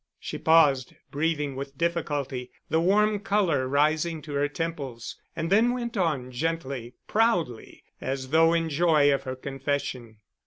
She paused, breathing with difficulty, the warm color rising to her temples, and then went on gently, proudly, as though in joy of her confession.